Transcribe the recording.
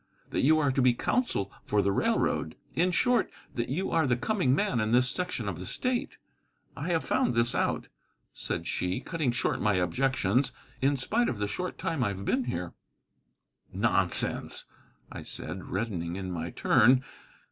That you are to be counsel for the railroad. In short, that you are the coming man in this section of the state. I have found this out," said she, cutting short my objections, "in spite of the short time I have been here." "Nonsense!" I said, reddening in my turn.